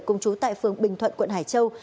cùng chú tại phường bình thuận quận hải châu